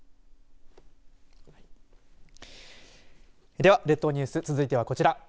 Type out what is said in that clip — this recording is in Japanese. では列島ニュース続いてはこちら。